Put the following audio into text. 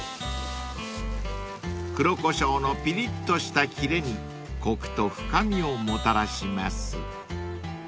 ［黒コショウのピリッとしたキレにコクと深みをもたらします］